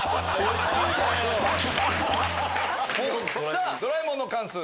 さぁ『ドラえもん』の巻数！